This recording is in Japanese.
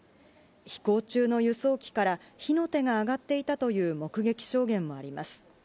飛行中の輸送機から、火の手が上がっていたという目撃証言もあります。